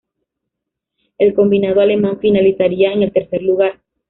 El combinado alemán finalizaría en el tercer lugar.